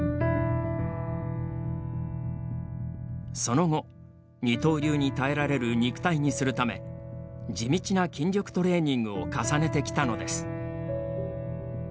その後、二刀流に耐えられる肉体にするため地道な筋力トレーニングを重ねてきたのです。